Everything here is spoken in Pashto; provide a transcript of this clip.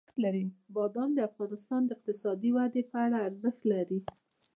بادام د افغانستان د اقتصادي ودې لپاره ارزښت لري.